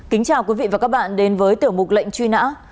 kính chào quý vị và các bạn đến với tiểu mục lệnh truy nã